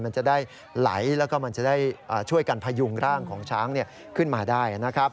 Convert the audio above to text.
มันจะได้ไหลแล้วก็มันจะได้ช่วยกันพยุงร่างของช้างขึ้นมาได้นะครับ